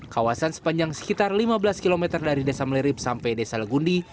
kawasan sepanjang sekitar lima belas km dari desa melirip sampai desa legundi